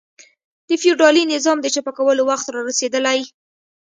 د فیوډالي نظام د چپه کولو وخت را رسېدلی.